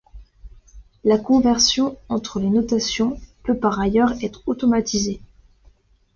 La conversion entre les notations peut par ailleurs être automatisée.